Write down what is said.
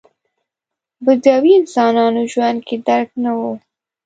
بدوي انسانانو ژوند کې درک نه و.